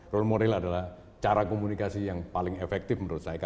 role model adalah cara komunikasi yang paling efektif